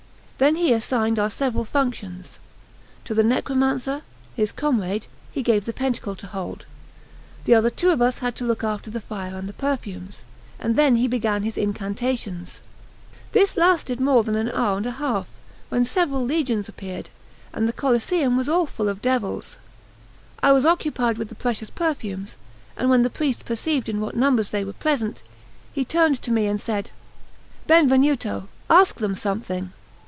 Then he assigned our several functions; to the necromancer, his comrade, he gave the pentacle to hold; the other two of us had to look after the fire and the perfumes; and then he began his incantations. This lasted more than an hour and a half; when several legions appeared, and the Coliseum was all full of devils. I was occupied with the precious perfumes, and when the priest perceived in what numbers they were present, he turned to me and said: "Benvenuto, ask them something."